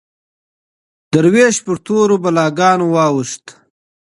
دروېش پر تورو بلاګانو واوښت